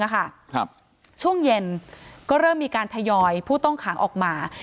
ช่วงเย็นก็เริ่มมีการทยอยผู้ต้องขังออกมา